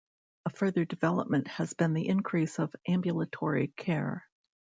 A further development has been the increase of "ambulatory care".